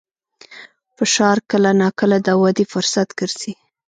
فشار کله ناکله د ودې فرصت ګرځي.